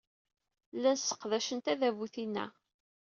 Llan sseqdacen tadabut-inna.